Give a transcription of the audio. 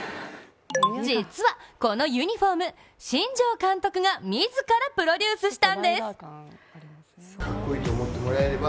実はこのユニフォーム、新庄監督が自らプロデュースしたんです。